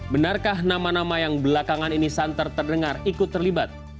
benarkah nama nama yang belakangan ini santer terdengar ikut terlibat